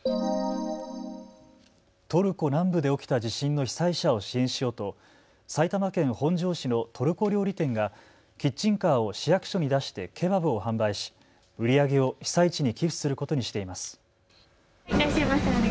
トルコ南部で起きた地震の被災者を支援しようと埼玉県本庄市のトルコ料理店がキッチンカーを市役所に出してケバブを販売し売り上げを被災地に寄付することにしています。